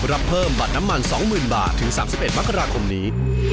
รับเพิ่มบัตรน้ำมัน๒๐๐๐บาทถึง๓๑มกราคมนี้